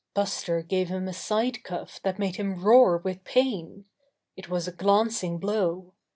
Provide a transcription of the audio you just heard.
Buster gave him a side cuff that made him roar with pain. It was a glancing blow.